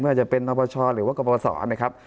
ไม่ว่าจะเป็นอบชหรือว่ากระบวนศรนะครับ